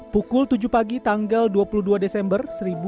pukul tujuh pagi tanggal dua puluh dua desember seribu sembilan ratus empat puluh